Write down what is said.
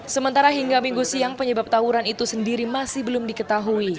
sementara hingga minggu siang penyebab tawuran itu sendiri masih belum diketahui